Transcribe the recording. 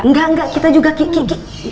engga kita juga ki ki ki